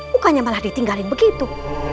bukannya malah ditinggalin begitu